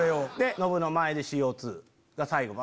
ノブの前でＣＯ２が最後バ！